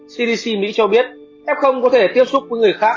cdc mỹ cho biết f có thể tiếp xúc với người khác